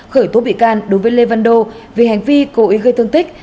khởi tố bị can đối với lê văn đô vì hành vi cố ý gây thương tích